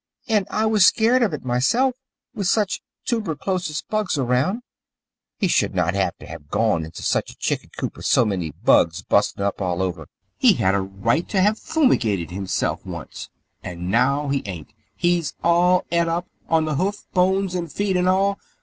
And I was scared of it, myself, with such toober chlosis bugs around. He should not to have gone into such a chicken coop with so many bugs busting up all over. He had a right to have fumigated himself, once. And now he ain't. He's all eat up, on the hoof, bones, and feet and all.